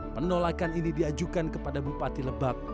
penolakan ini diajukan kepada bupati lebak